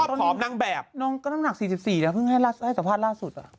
ชอบผอมนั่งแบบน้องก็น้ำหนักสี่สิบสี่น่ะเพิ่งให้รัสให้สภาพล่าสุดอ่ะ